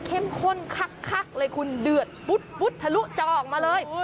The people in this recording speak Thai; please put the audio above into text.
เข้มข้นคักเลยคุณเดือดปุ๊ดทะลุจอออกมาเลย